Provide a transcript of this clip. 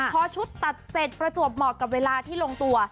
พอชุดตัดเสร็จประจวบเหมาะกับเวลาที่ลงตัว